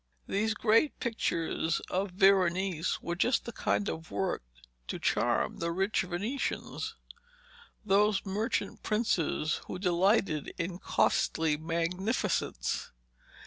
These great pictures of Veronese were just the kind of work to charm the rich Venetians, those merchant princes who delighted in costly magnificence.